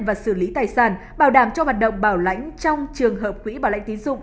và xử lý tài sản bảo đảm cho hoạt động bảo lãnh trong trường hợp quỹ bảo lãnh tín dụng